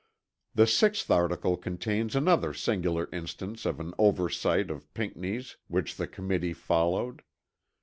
The 6th article contains another singular instance of an oversight of Pinckney's which the Committee followed.